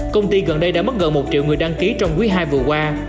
công ty gần đây đã mất gần một triệu người đăng ký trong quý hai vừa qua